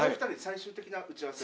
最終的な打ち合わせを。